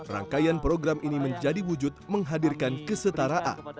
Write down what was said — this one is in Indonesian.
rangkaian program ini menjadi wujud menghadirkan kesetaraan